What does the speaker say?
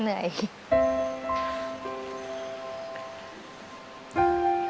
เหนื่อยเนอะ